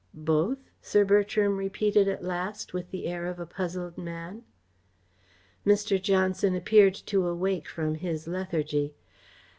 "Both?" Sir Bertram repeated at last, with the air of a puzzled man. Mr. Johnson appeared to awake from his lethargy.